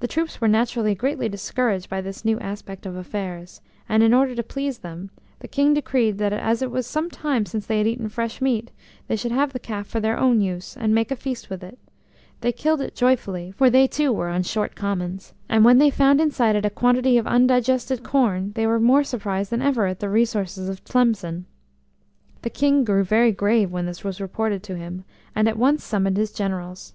The troops were naturally greatly discouraged by this new aspect of affairs, and, in order to please them, the King decreed that as it was some time since they had eaten fresh meat, they should have the calf for their own use, and make a feast with it. They killed it joyfully, for they too were on short commons, and when they found inside it a quantity of undigested corn, they were more surprised than ever at the resources of Tlemcen. The King grew very grave when this was reported to him, and at once summoned his Generals.